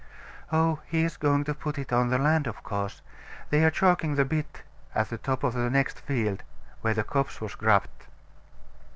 Oh, he is going to put it on the land, of course. They are chalking the bit at the top of the next field, where the copse was grubbed.